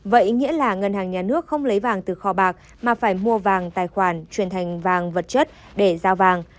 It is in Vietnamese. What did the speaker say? vậy nghĩa là ngân hàng nhà nước không lấy vàng từ kho bạc mà phải mua vàng tài khoản truyền thành vàng vật chất để giao vàng